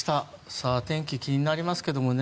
さあ天気気になりますけどもね。